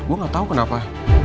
gue gak tau kenapa